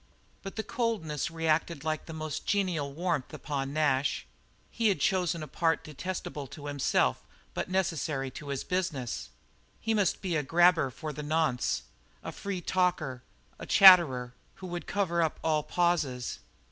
But the coldness reacted like the most genial warmth upon Nash. He had chosen a part detestable to him but necessary to his business. He must be a "gabber" for the nonce, a free talker, a chatterer, who would cover up all pauses.